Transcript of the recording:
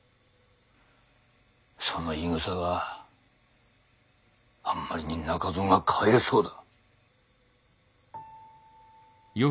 その言いぐさはあんまりに中蔵が可哀想だ。